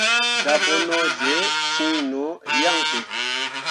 Dabonoje cin no yan be.